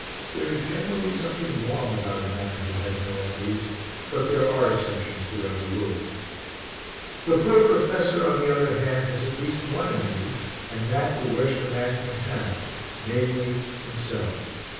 There is generally something wrong about a man who has no enemies but there are exceptions to every rule. The poor professor, on the other hand, has at least one enemy and that the worst a man can have, namely himself.